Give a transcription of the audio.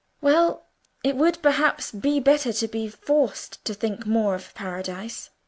Well! it would, perhaps, be better to be forced to think more of Paradise.